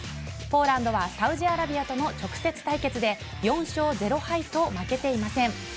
ポーランドはサウジアラビアとの直接対決で４勝０敗と負けていません。